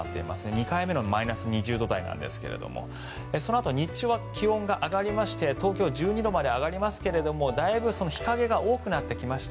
２回目のマイナス２０度台なんですけどもそのあと日中は気温が上がりまして東京１２度まで上がりますけどもだいぶ日影が多くなってきました。